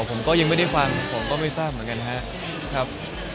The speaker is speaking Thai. ผมก็ยังไม่ได้ฟังผมก็ไม่ทราบเหมือนกันนะครับ